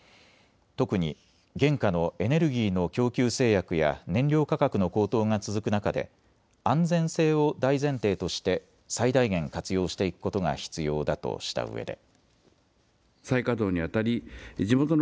特に現下のエネルギーの供給制約や燃料価格の高騰が続く中で安全性を大前提として最大限活用していくことが必要だとしたうえで。